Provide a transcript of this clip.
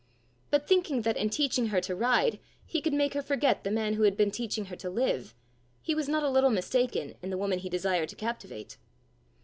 But thinking that in teaching her to ride he could make her forget the man who had been teaching her to live, he was not a little mistaken in the woman he desired to captivate.